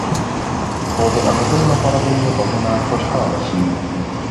خو د اوریدلو لپاره به يې غوږونه خوشحاله شي.